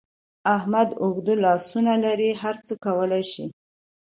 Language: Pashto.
احمد اوږده لاسونه لري؛ هر څه کولای شي.